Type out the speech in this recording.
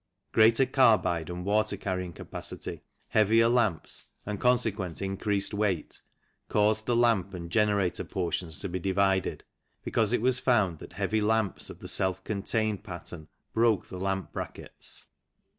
Greater carbide and water carrying capacity, heavier lamps, and consequent increased weight caused the lamp and ACCESSORIES 99 generator portions to be divided, because it was found that heavy lamps of the self contained pattern broke the lamp brackets.